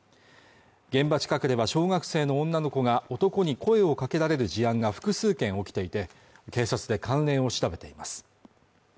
現場近くでは小学生の女の子が男に声をかけられる事案が複数件起きていて警察で関連を調べています